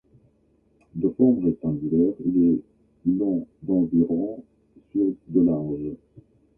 De forme rectangulaire, il est long d'environ sur de large.